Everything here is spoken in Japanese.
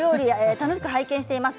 楽しく拝見しています。